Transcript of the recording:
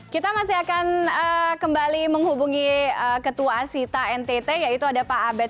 kita masih akan kembali menghubungi ketua asita ntt yaitu ada pak abed